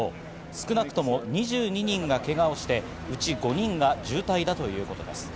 少なくとも２２人がけがをして、うち５人が重体だということです。